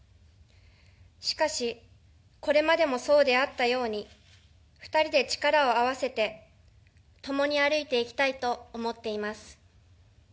しかし、これまでもそうであったように２人で力を合わせて共に歩いていきたいと思っています。